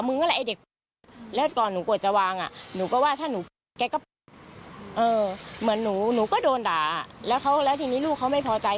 เพราะว่าชั่วหน้าเนื้อผอมเธอได้ส่วนก็จะเป็นบุตรใช่